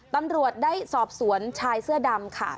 ตำรวจได้สอบสวนชายเสื้อดำค่ะ